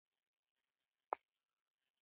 د نفتو پر صنعت منګولې خښې کړې دي.